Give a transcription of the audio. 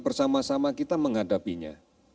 dan bersama sama kita menghadapinya